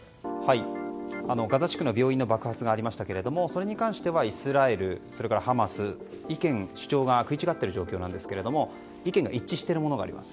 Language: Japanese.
ガザ地区の病院の爆発がありましたがそれに関してはイスラエルそれからハマス意見、主張が食い違っている状況なんですが意見が一致しているものがあります。